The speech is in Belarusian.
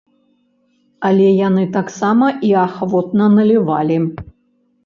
Але яны таксама і ахвотна налівалі.